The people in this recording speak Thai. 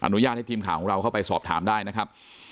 อุญาตให้ทีมข่าวของเราเข้าไปสอบถามได้นะครับ